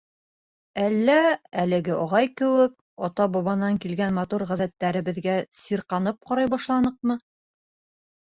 Әллә, әлеге ағай кеүек, ата-бабанан килгән матур ғәҙәттәребеҙгә сирҡанып ҡарай башланыҡмы?